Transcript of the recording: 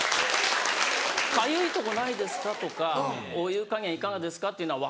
「かゆいとこないですか？」とか「お湯加減いかがですか？」っていうのは分かる。